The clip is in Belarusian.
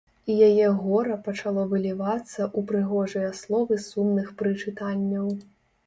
І яе гора пачало вылівацца ў прыгожыя словы сумных прычытанняў.